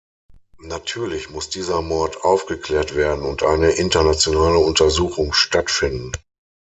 Natürlich muss dieser Mord aufgeklärt werden und eine internationale Untersuchung stattfinden.